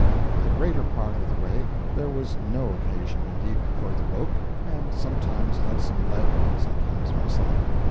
For the greater part of the way there was no occasion, indeed, for the rope, and sometimes Hudson led, sometimes myself.